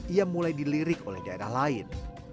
ia mulai dilirik oleh daerah lain